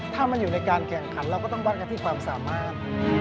ถ้ามันอยู่ในการแข่งขันเราก็ต้องวัดกันที่ความสามารถ